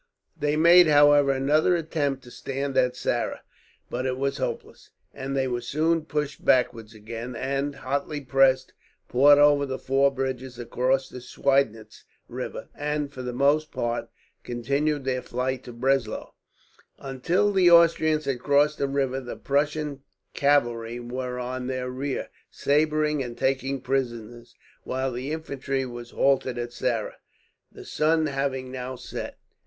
They made, however, another attempt to stand at Saara; but it was hopeless, and they were soon pushed backwards again and, hotly pressed, poured over the four bridges across the Schweidnitz river, and for the most part continued their flight to Breslau. Until the Austrians had crossed the river the Prussian cavalry were on their rear, sabring and taking prisoners, while the infantry were halted at Saara, the sun having now set.